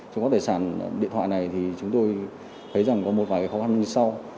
trong các tài sản điện thoại này thì chúng tôi thấy rằng có một vài khó khăn như sau